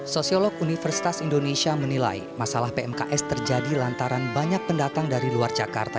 sosiolog universitas indonesia menilai masalah pmks terjadi lantaran banyak pendatang dari luar jakarta